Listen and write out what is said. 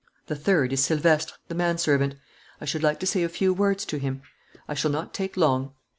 The third is Silvestre, the manservant. I should like to say a few words to him. I shall not take long."